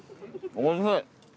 おいしい！